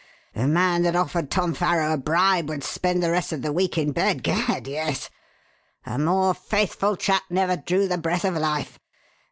The man that offered Tom Farrow a bribe would spend the rest of the week in bed gad, yes! A more faithful chap never drew the breath of life.